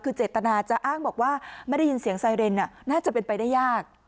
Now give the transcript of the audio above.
คือเจตนาจะอ้างบอกว่าไม่ได้ยินเสียงไซเรนน่าจะเป็นไปได้ยาก